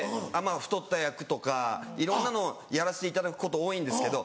太った役とかいろんなのやらせていただくこと多いんですけど。